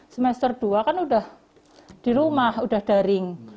semester dua kan udah di rumah udah daring